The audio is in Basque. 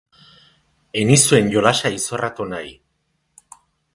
Ez nizuen jolasa izorratu nahi.